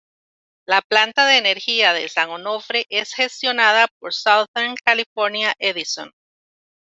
La Planta de energía de San Onofre es gestionada por Southern California Edison.